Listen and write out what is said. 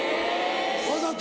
わざと。